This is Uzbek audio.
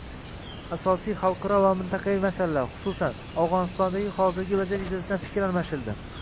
Asosiy xalqaro va mintaqaviy masalalar, xususan, Afg‘onistondagi hozirgi vaziyat yuzasidan fikr almashildi